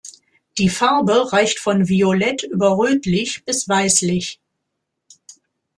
Die Farbe reicht von violett über rötlich bis weißlich.